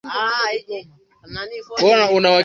jina hilo kwa kuwa wana uwezo wa kungata